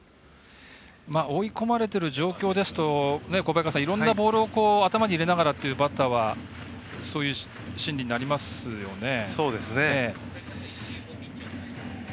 追い込まれてる状況ですといろんなボールを頭に入れながらというバッターはそういう心理になりますよね。